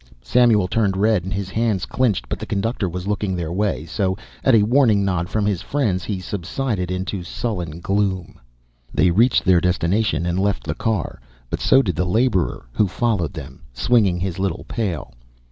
Samuel turned red and his hands clinched, but the conductor was looking their way, so at a warning nod from his friends he subsided into sullen gloom. They reached their destination and left the car, but so did the laborer, who followed them, swinging his little pail.